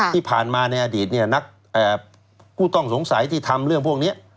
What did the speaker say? ที่ผ่านมาในอดีตนักผู้ต้องสงสัยที่ทำเรื่องพวกนี้